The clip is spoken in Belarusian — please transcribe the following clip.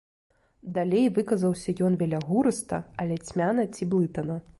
Далей выказаўся ён велягурыста, але цьмяна ці блытана.